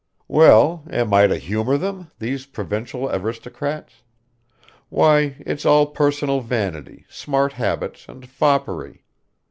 "Well, am I to humor them, these provincial aristocrats? Why, it's all personal vanity, smart habits, and foppery.